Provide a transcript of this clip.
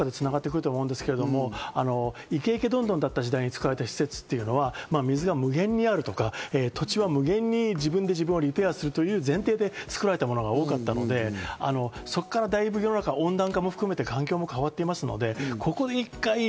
これも持続可能社会ということに、どこかで繋がってくると思うんですけど、イケイケどんどんだった時代に作られた施設というのは水が無限にあるとか、土地は無限に自分で自分をリペアするという前提で作られたものが多かったので、そこからだいぶ世の中が温暖化も含めて環境も変わっています。